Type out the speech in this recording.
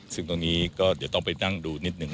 ซึ่งตรงนี้ก็เดี๋ยวต้องไปนั่งดูนิดหนึ่ง